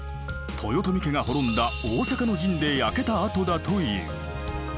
豊臣家が滅んだ大坂の陣で焼けた跡だという。